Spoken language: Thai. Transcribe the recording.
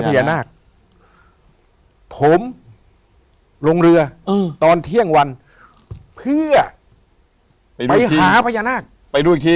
พญานาคผมลงเรือตอนเที่ยงวันเพื่อไปหาพญานาคไปดูอีกที